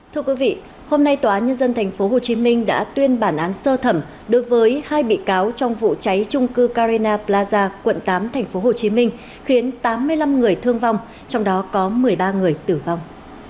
thưa quý vị hôm nay tòa nhân dân tp hcm đã tuyên bản án sơ thẩm đối với hai bị cáo trong vụ cháy trung cư carina plaza quận tám tp hcm khiến tám mươi năm người thương vong trong đó có một mươi ba người tử vong